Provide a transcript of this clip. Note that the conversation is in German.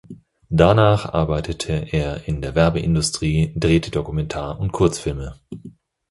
Danach arbeitete er in der Werbeindustrie, drehte Dokumentar- und Kurzfilme.